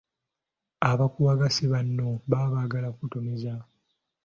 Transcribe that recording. Abakuwaga si banno baba baagala kukutomeza.